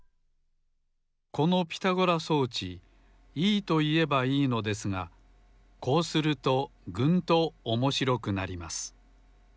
このピタゴラ装置いいといえばいいのですがこうするとぐんと面白くなります